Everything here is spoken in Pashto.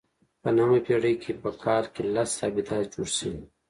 په نهمه پېړۍ کې په کال کې لس ابدات جوړ شوي.